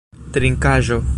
trinkaĵo